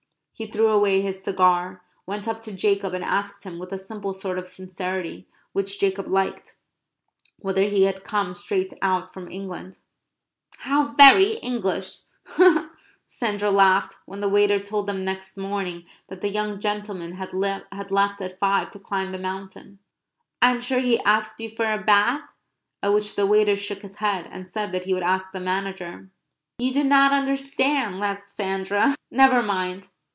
He threw away his cigar, went up to Jacob and asked him, with a simple sort of sincerity which Jacob liked, whether he had come straight out from England. "How very English!" Sandra laughed when the waiter told them next morning that the young gentleman had left at five to climb the mountain. "I am sure he asked you for a bath?" at which the waiter shook his head, and said that he would ask the manager. "You do not understand," laughed Sandra. "Never mind."